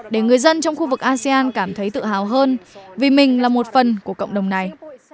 để người dân trong khu vực asean cảm thấy tự hào hơn vì mình là một phần của cộng đồng này